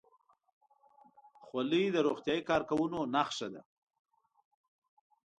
خولۍ د روغتیايي کارکوونکو نښه ده.